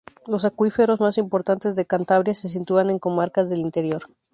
Los acuíferos más importantes de Cantabria se sitúan en comarcas del interior.